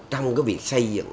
trong cái việc xây dựng